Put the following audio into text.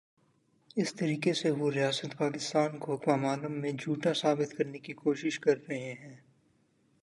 اس طریقے سے وہ ریاست پاکستان کو اقوام عالم میں جھوٹا ثابت کرنے کی کوشش کررہے ہیں۔